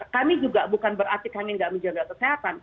kami juga bukan berarti kami tidak menjaga kesehatan